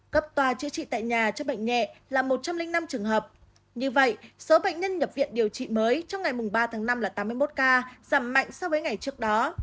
cấp tòa chữa trị tại nhà cho bệnh nhẹ là một trăm linh năm trường hợp như vậy số bệnh nhân nhập viện điều trị mới trong ngày ba tháng năm là tám mươi một ca giảm mạnh so với ngày trước đó